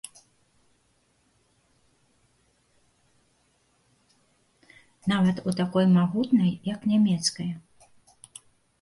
Нават у такой магутнай, як нямецкая.